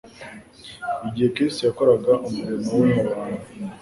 Igihe Kristo yakoraga umurimo we mu bantu,